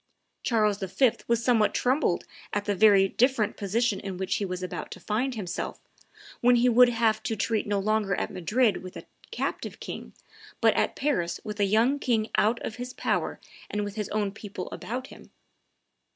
Charles V. was somewhat troubled at the very different position in which he was about to find himself, when he would have to treat no longer at Madrid with a captive king, but at Paris with a young king out of his power and with his own people about him.